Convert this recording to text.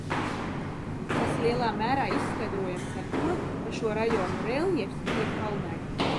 Tas lielā mērā izskaidrojams ar to, ka šo rajonu reljefs bija kalnains.